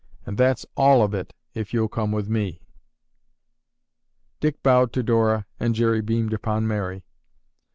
And that's all of it If you'll come with me." Dick bowed to Dora and Jerry beamed upon Mary.